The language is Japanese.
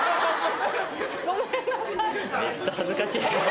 ごめんなさい。